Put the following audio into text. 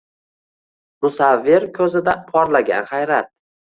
Musavvir ko’zida porlagan hayrat